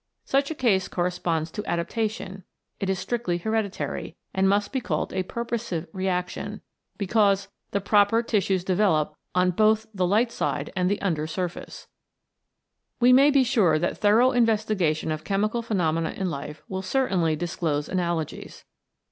Such a case corresponds to adaptation, it is strictly hereditary, and must be called a purposive reaction, because the proper tissues develop on both the light side and the under surface. We may be sure that thorough investigation of chemical phenomena in life will certainly disclose analogies.